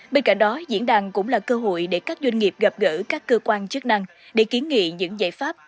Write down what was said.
bên cạnh đó diễn đàn cũng là cơ hội để các doanh nghiệp gặp gỡ các cơ quan chức năng để kiến nghị những giải pháp